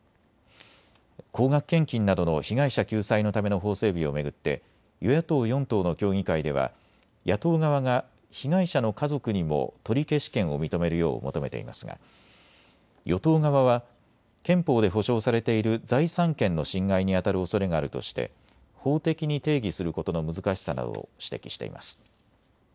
高額献金などの被害者救済のための法整備を巡って与野党４党の協議会では野党側が被害者の家族にも取消権を認めるよう求めていますが与党側は憲法で保障されている財産権の侵害にあたるおそれがあるとして法的に定義することの難しさなどを指摘しています。